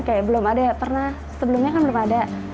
kayak belum ada ya pernah sebelumnya kan belum ada